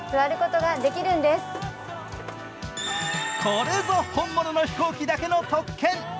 これぞ本物の飛行機だけの特権。